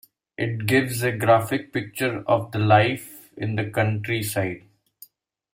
It gives a graphic picture of the life in the country side.